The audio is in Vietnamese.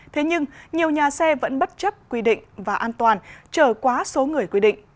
thế nhưng nhiều nhà xe vẫn bất chấp quy định và an toàn trở quá số người quy định